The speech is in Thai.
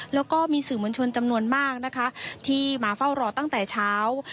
แล้วก็มีสื่อมวลชนจำนวนมากนะคะที่มาเฝ้ารอตั้งแต่เช้า